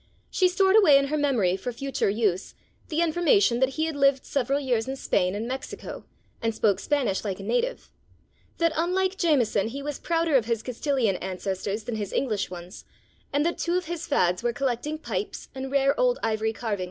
She stored away in her memory for future use, the information that he had lived several years in Spain and Mexico, and spoke Spanish like a native, that unlike Jameson he was prouder of his Castilian ancestors than his English ones, and that two of his fads were collecting pipes and rare old ivory carvings.